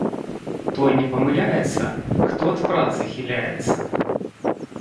Той не памыляецца, хто ад працы хіляецца